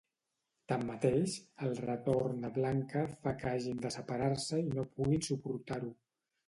Tanmateix, el retorn de Blanca fa que hagin de separar-se i no puguin suportar-ho.